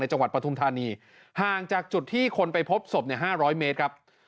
จังหวัดปฐุมธานีห่างจากจุดที่คนไปพบศพ๕๐๐เมตรครับ